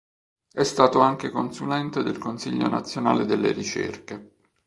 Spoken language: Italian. È stato anche consulente del Consiglio Nazionale delle Ricerche.